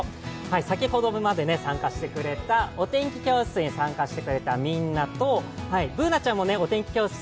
先ほどまで、お天気教室に参加してくれたみんなと、Ｂｏｏｎａちゃんもお天気教室